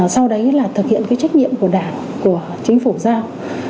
sau đấy là thực hiện cái trách nhiệm của đảng của chính phủ giao